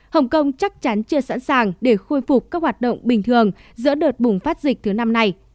hồng kông chắc chắn chưa sẵn sàng để khôi phục các hoạt động bình thường giữa đợt bùng phát dịch thứ năm này